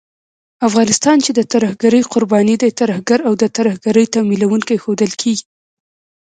افغانستان چې د ترهګرۍ قرباني دی، ترهګر او د ترهګرۍ تمويلوونکی ښودل کېږي